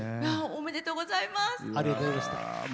おめでとうございます。